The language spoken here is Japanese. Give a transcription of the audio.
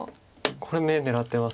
これ眼狙ってます。